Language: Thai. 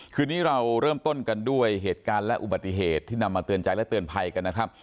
คืนนี้เราเริ่มต้นกันด้วยเหตุการณ์และอุบัติเหตุที่นำมาเตือนใจและเตือนภัยกันนะครับ